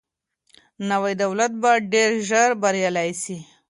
نوی دولت به ډیر ژر بریالی سي.